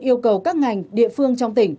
yêu cầu các ngành địa phương trong tỉnh